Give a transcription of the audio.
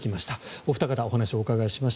お二方にお話をお伺いしました。